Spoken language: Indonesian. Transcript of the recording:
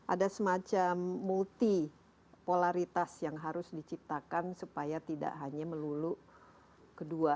ada semacam multi polaritas yang harus diciptakan supaya tidak hanya melulu kedua